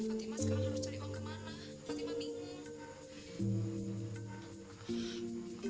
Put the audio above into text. fatimah sekarang harus cari uang kemana fatimah mimpi